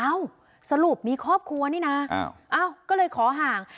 สรุปมีครอบครัวนี่นะเอ้าก็เลยขอห่าง